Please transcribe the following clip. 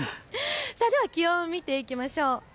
気温を見ていきましょう。